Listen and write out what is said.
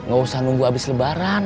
gak usah nunggu habis lebaran